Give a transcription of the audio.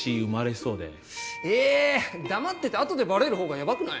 黙っててあとでバレる方がヤバくない？